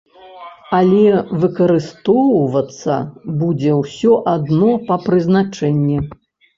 Але выкарыстоўвацца будзе ўсё адно па прызначэнні.